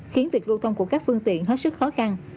khiến việc lưu thông của các phương tiện hết sức khó khăn